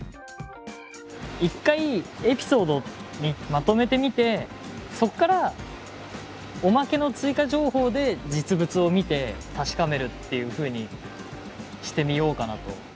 一回エピソードにまとめてみてそっからおまけの追加情報で実物を見て確かめるっていうふうにしてみようかなと。